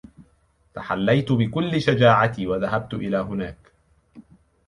تحليت بكل شجاعتي و ذهبت إلى هناك.